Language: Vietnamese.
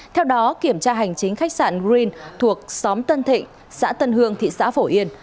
theo đó kiểm tra hành chính khách sạn green thuộc xóm tân thịnh xã tân hương thị xã phổ yên